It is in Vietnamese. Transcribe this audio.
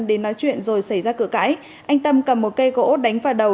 đến nói chuyện rồi xảy ra cửa cãi anh tâm cầm một cây gỗ đánh vào đầu